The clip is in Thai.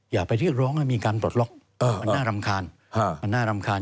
อย่าไปที่ร้องมีการปลดล็อกมันน่ารำคาญ